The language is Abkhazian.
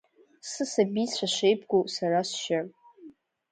Сысабицәа шеибгоу сара сшьы…